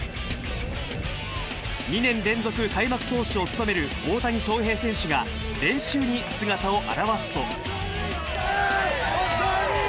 ２年連続開幕投手を務める大谷翔平選手が、練習に姿を現すと。